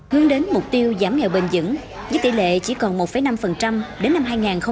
hướng đến mục tiêu giảm nghèo bền dững với tỷ lệ chỉ còn một năm đến năm hai nghìn hai mươi